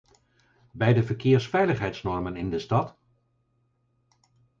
Bij de verkeersveiligheidsnormen in de stad?